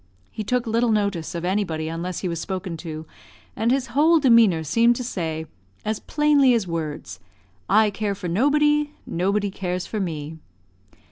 He took little notice of anybody unless he was spoken to, and his whole demeanour seemed to say, as plainly as words, "I care for nobody, nobody cares for me."